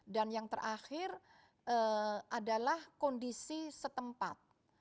dan yang terakhir adalah kondisi setempat